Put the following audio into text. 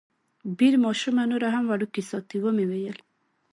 بیر ماشومه نوره هم وړوکې ساتي، ومې ویل.